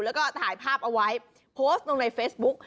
แล้วก็ถ่ายภาพเอาไว้โพสต์ลงในเฟซบุ๊ก